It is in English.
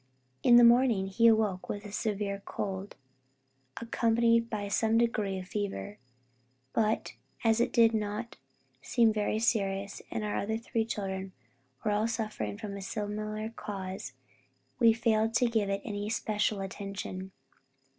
In the morning he awoke with a severe cold, accompanied by some degree of fever; but as it did not seem very serious, and our three children were all suffering from a similar cause, we failed to give it any especial attention.